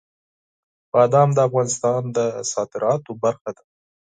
بادام د افغانستان د صادراتو برخه ده.